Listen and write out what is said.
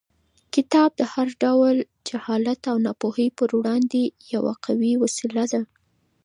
کتاب د هر ډول جهالت او ناپوهۍ پر وړاندې یوه قوي وسله ده.